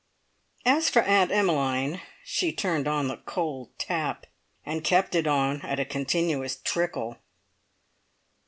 As for Aunt Emmeline, she turned on the cold tap, and kept it on at a continuous trickle.